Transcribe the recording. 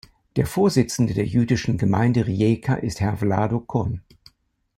Der Vorsitzende der Jüdischen Gemeinde Rijeka ist Herr Vlado Kon.